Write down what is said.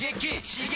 刺激！